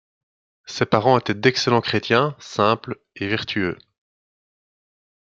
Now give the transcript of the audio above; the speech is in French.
Ses parents étaient d'excellents chrétiens, simples et vertueux.